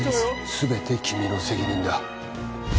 全て君の責任だ。